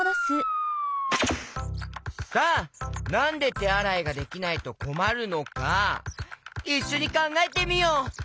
さあなんでてあらいができないとこまるのかいっしょにかんがえてみよう！